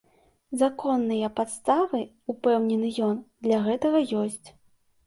Законныя падставы, упэўнены ён, для гэтага ёсць.